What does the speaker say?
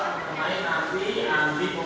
dikandalkan dikandalkan dikandalkan